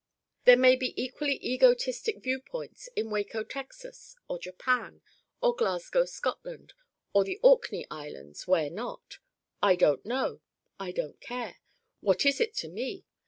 There may be equally egotistic viewpoints in Waco Texas, or Japan, or Glasgow Scotland or the Orkney Islands, where not? I don't know I don't care. What is it to me?